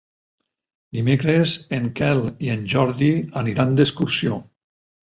Dimecres en Quel i en Jordi aniran d'excursió.